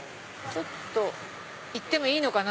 行ってもいいのかな？